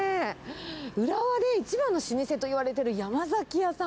浦和で一番の老舗といわれている山崎屋さん。